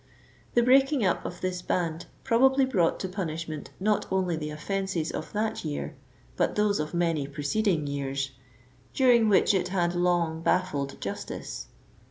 The breaking up of this band probably brought to punishment not only the offenses of that year, but those of many preceding years, during which it " had long baffled jus tice."